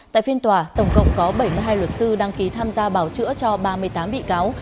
tại phiên tòa tổng cộng có bảy mươi hai luật sư đăng ký tham gia bảo chữa cho ba mươi tám bị cáo